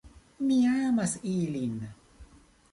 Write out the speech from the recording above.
Mi amas ilin!